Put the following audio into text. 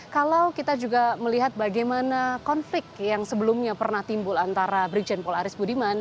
kalau kita juga melihat bagaimana konflik yang sebelumnya pernah timbul antara brigjen pol aris budiman